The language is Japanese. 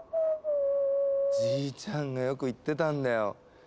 じいちゃんがよく言ってたんだよ。